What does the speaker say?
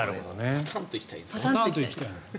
パタンと行きたいんですね。